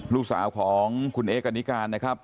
ลูกสาวของคุณเอ๊กันนิการนะครับ